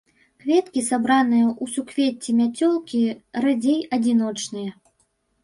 Кветкі сабраныя ў суквецці-мяцёлкі, радзей адзіночныя.